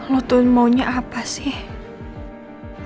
lo tuh maunya apa sih